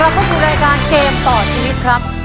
เข้าสู่รายการเกมต่อชีวิตครับ